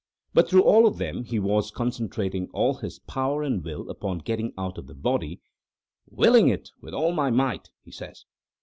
But through all of them he was concentrating all his power and will upon getting out of the body—"willing it with all my might," he says.